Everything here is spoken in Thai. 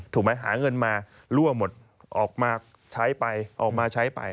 ถูกไหมหาเงินมารั่วหมดออกมาใช้ไปออกมาใช้ไป